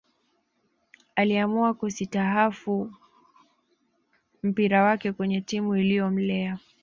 Aliamua kusitahafu mpira wake kwenye timu iliyomlea